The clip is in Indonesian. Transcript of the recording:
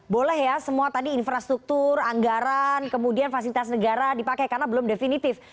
boleh ya semua tadi infrastruktur anggaran kemudian fasilitas negara dipakai karena belum definitif